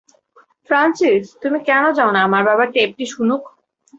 Francis, তুমি কেনো চাওনা আমার বাবা টেপটি শুনুক?